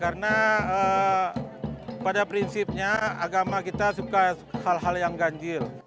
karena pada prinsipnya agama kita suka hal hal yang ganjil